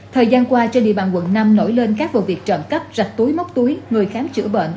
thời gian qua trên địa bàn quận năm nổi lên các vụ việc trộm cắp rạch túi móc túi người khám chữa bệnh